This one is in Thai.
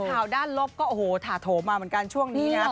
ข่าวด้านลบก็โอ้โหถาโถมาเหมือนกันช่วงนี้นะครับ